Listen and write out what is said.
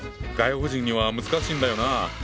外国人には難しいんだよな。